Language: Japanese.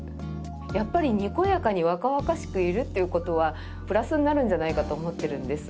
やっぱりにこやかに若々しくいるっていう事はプラスになるんじゃないかと思ってるんです。